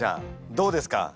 どうですか？